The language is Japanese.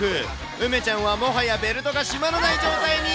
梅ちゃんはもはやベルトが締まらない状態に。